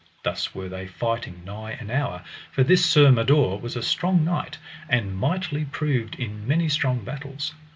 Thus were they fighting nigh an hour, for this Sir Mador was a strong knight, and mightily proved in many strong battles.